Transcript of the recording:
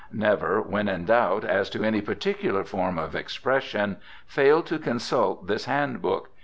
Never, when in doubt as to any particular form of expression, fail to consult this Hand Book.